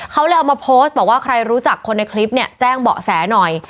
เขาเลยเอามาโพสต์บอกว่าใครรู้จักคนในคลิปเนี่ยแจ้งเบาะแสหน่อย